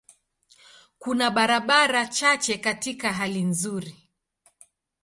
Kuna barabara chache katika hali nzuri.